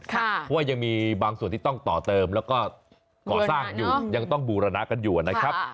เพราะว่ายังมีบางส่วนที่ต้องต่อเติมแล้วก็ก่อสร้างอยู่ยังต้องบูรณะกันอยู่นะครับ